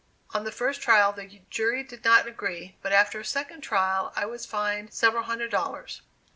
On the first trial the jury did not agree, but after a second trial I was fined several hundred dollars.